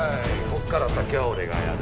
ここから先は俺がやる。